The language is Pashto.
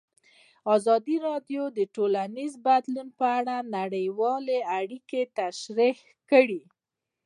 ازادي راډیو د ټولنیز بدلون په اړه نړیوالې اړیکې تشریح کړي.